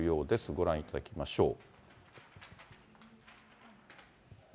ご覧いただきましょう。